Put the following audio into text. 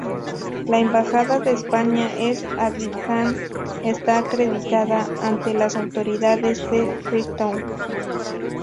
La Embajada de España en Abidjan está acreditada ante las autoridades de Freetown.